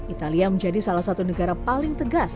italia menjadi salah satu negara paling tegas